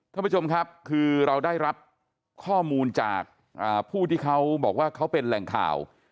ท่านผู้ชมครับคือเราได้รับข้อมูลจากผู้ที่เขาบอกว่าเขาเป็นแหล่งข่าว